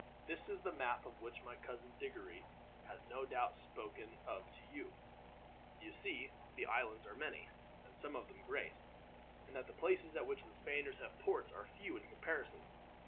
This is the map of which my Cousin Diggory has no doubt spoken to you. You see that the islands are many, and some of them great; and that the places at which the Spaniards have ports are few, in comparison.